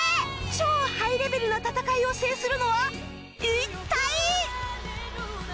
超ハイレベルな戦いを制するのは一体！？